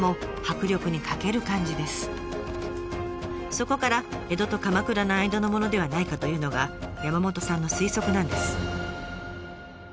そこから江戸と鎌倉の間のものではないかというのが山本さんの推測なんです。